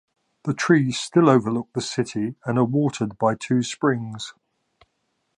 The trees still overlook the city and are watered by two springs.